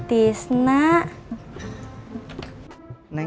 neng aninya ada bang